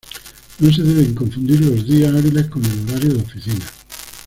No se debe confundir los días hábiles con el horario de oficina.